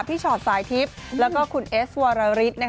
ชอตสายทิพย์แล้วก็คุณเอสวรริส